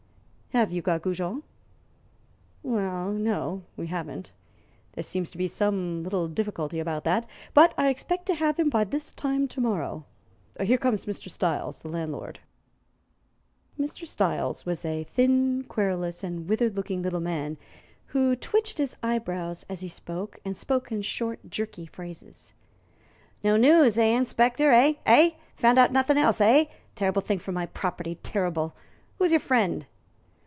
"Have you got Goujon?" "Well, no; we haven't. There seems to be some little difficulty about that. But I expect to have him by this time to morrow. Here comes Mr. Styles, the landlord." Mr. Styles was a thin, querulous, and withered looking little man, who twitched his eyebrows as he spoke, and spoke in short, jerky phrases. "No news, eh, inspector, eh? eh? Found out nothing else, eh? Terrible thing for my property terrible! Who's your friend?"